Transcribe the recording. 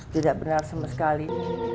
tidak benar sama sekali